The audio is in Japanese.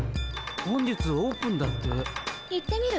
本日オープンだって。